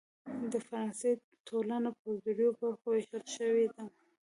د فرانسې ټولنه پر دریوو برخو وېشل شوې وه.